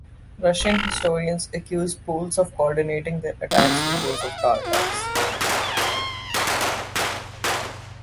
Russian historians accuse Poles of coordinating their attacks with those of Tatars.